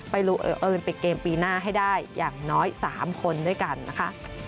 เอิญปิกเกมปีหน้าให้ได้อย่างน้อย๓คนด้วยกันนะคะ